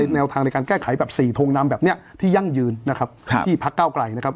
แนวทางในการแก้ไขแบบ๔ทงนำแบบนี้ที่ยั่งยืนนะครับที่พักเก้าไกลนะครับ